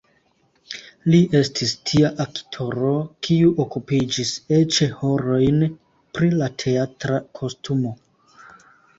Li estis tia aktoro, kiu okupiĝis eĉ horojn pri la teatra kostumo.